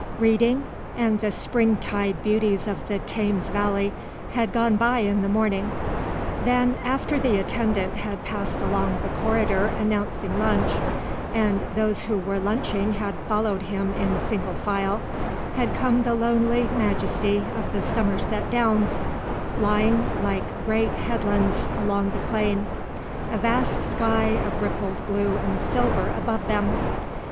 Reading and the spring tide beauties of the Thames valley had gone by in the morning. Then, after the attendant had passed along the corridor announcing lunch, and those who were lunching had followed him in single file, had come the lonely majesty of the Somerset downs, lying like great headlands along the plain, a vast sky of rippled blue and silver above them.